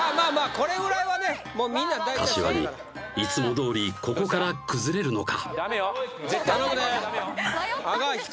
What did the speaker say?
これぐらいはね柏木いつもどおりここから崩れるのか？